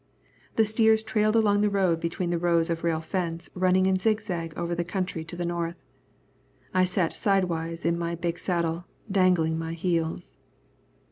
The steers trailed along the road between the rows of rail fence running in zigzag over the country to the north. I sat sidewise in my big saddle dangling my heels.